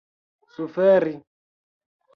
suferi